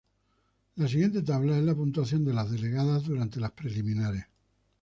La siguiente tabla es la puntuación de las delegadas durante las preliminares.